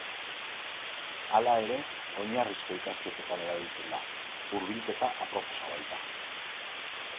Hala ere, oinarrizko ikasketetan erabiltzen da, hurbilketa aproposa baita.